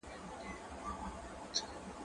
زه به سبا د لوبو لپاره وخت ونيسم؟!